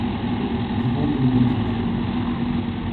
Sie wohnt in Winterthur.